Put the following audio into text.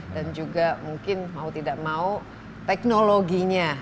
dan juga mungkin mau tidak mau teknologinya